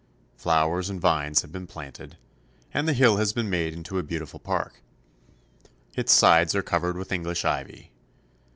Flowers and vines have been planted, and the hill has been made into a beautiful park. Its sides are covered with English ivy.